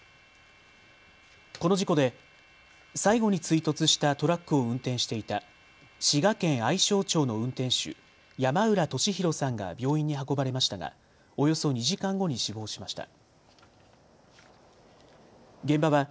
この事故で最後に追突したトラックを運転していた滋賀県愛荘町の運転手、山浦俊尋さんが病院に運ばれましたがおよそ２時間後に死亡しました。